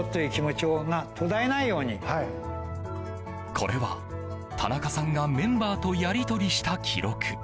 これは、田中さんがメンバーとやり取りした記録。